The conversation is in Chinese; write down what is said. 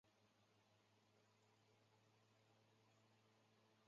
故居后园有顾亭林之墓和石马。